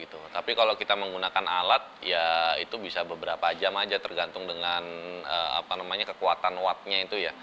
tapi kalau kita menggunakan alat ya itu bisa beberapa jam saja tergantung dengan kekuatan wattnya